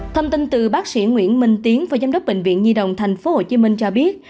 thông tin từ bác sĩ nguyễn minh tiến phó giám đốc bệnh viện nhi đồng thành phố hồ chí minh cho biết